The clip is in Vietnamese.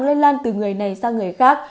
lây lan từ người này sang người khác